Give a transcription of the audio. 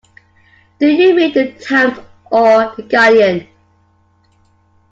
Do you read The Times or The Guardian?